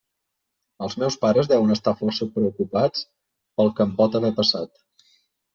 Els meus pares deuen estar força preocupats pel que em pot haver passat.